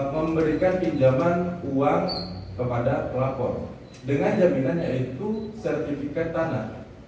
memberikan pinjaman uang kepada pelapor dengan jaminannya yaitu sertifikat tanah